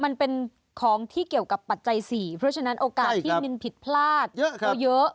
มันเป็นของที่เกี่ยวกับปัจจัย๔เพราะฉะนั้นโอกาสที่มินผิดพลาดเยอะ